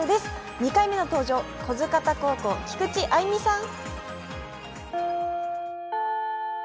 ２回目の登場、不来方高校、菊池愛美さん。